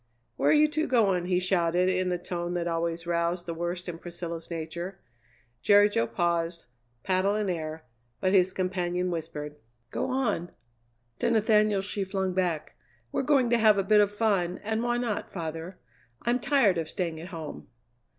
"Where you two going?" he shouted in the tone that always roused the worst in Priscilla's nature. Jerry Jo paused, paddle in air, but his companion whispered: "Go on!" To Nathaniel she flung back: "We're going to have a bit of fun, and why not, father? I'm tired of staying at home."